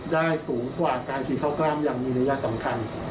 สูงกว่าการฉีดเข้ากล้ามอย่างมีนัยสำคัญ